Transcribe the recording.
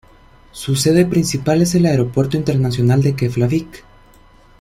Su sede principal es el Aeropuerto Internacional de Keflavík.